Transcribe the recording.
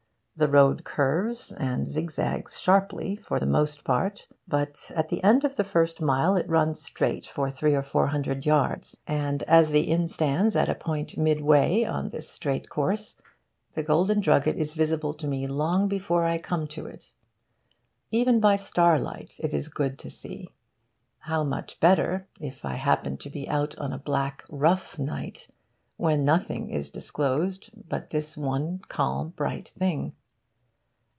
The road curves and zigzags sharply, for the most part; but at the end of the first mile it runs straight for three or four hundred yards; and, as the inn stands at a point midway on this straight course, the Golden Drugget is visible to me long before I come to it. Even by starlight, it is good to see. How much better, if I happen to be out on a black rough night when nothing is disclosed but this one calm bright thing.